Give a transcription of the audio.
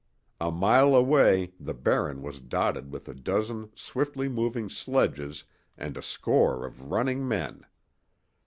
A mile away the Barren was dotted with a dozen swiftly moving sledges and a score of running men!